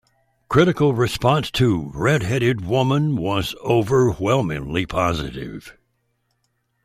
Critical response to "Red-Headed Woman" was overwhelmingly positive.